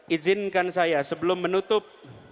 ijinkan saya sebelum menutup